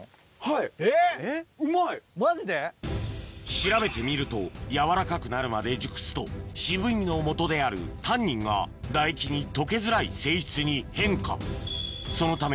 調べてみると柔らかくなるまで熟すと渋みのもとであるタンニンが唾液に溶けづらい性質に変化